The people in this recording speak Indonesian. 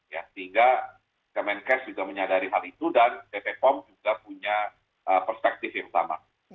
sehingga kemenkes sudah menyadari hal itu dan dppom juga punya perspektif yang sama